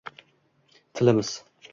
Tilimiz